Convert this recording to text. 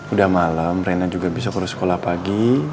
udah malem rena juga besok harus sekolah pagi